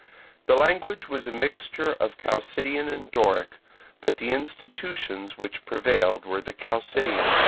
The language was a mixture of Chalcidian and Doric, but the institutions which prevailed were the Chalcidian.